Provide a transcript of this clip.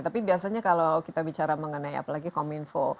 tapi biasanya kalau kita bicara mengenai apalagi kominfo